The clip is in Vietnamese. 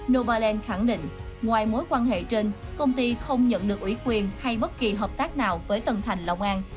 novaland khẳng định ngoài mối quan hệ trên công ty không nhận được ủy quyền hay bất kỳ hợp tác nào với tân thành long an